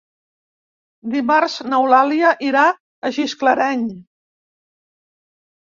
Dimarts n'Eulàlia irà a Gisclareny.